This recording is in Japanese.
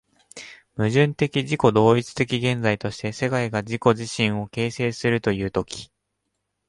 矛盾的自己同一的現在として、世界が自己自身を形成するという時、